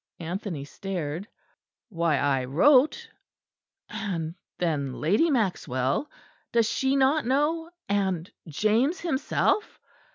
Anthony stared. "Why, I wrote and then Lady Maxwell! Does she not know, and James himself?"